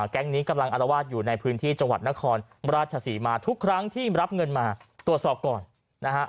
แก๊งนี้กำลังอารวาสอยู่ในพื้นที่จังหวัดนครราชศรีมาทุกครั้งที่รับเงินมาตรวจสอบก่อนนะฮะ